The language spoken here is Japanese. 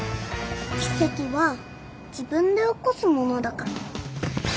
奇跡は自分で起こすものだから。